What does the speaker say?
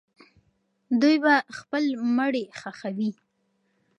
دوی به خپل مړي ښخوي.